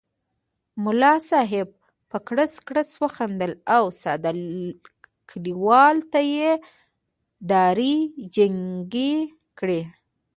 ملا صاحب په کړس کړس وخندل او ساده کلیوال ته یې داړې جینګې کړې.